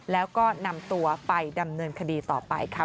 แล้วก็นำตัวไปดำเนินคดีต่อไปค่ะ